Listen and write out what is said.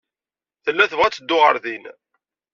Tella tebɣa ad teddu ɣer din.